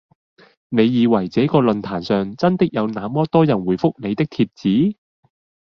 你以為這個論壇上真的有那麼多人回覆你的帖子？